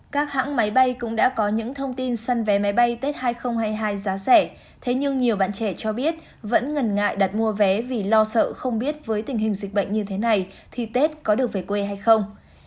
các hãng máy bay cũng đã có những thông tin săn vé máy bay tết hai nghìn hai mươi hai giá rẻ thế nhưng nhiều bạn trẻ cho biết vẫn ngần ngại đặt mua vé vì lo sợ không biết với tình hình dịch bệnh như thế này thì tết có được về quê hay không